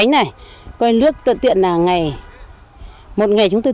nước lúc nào cũng đổi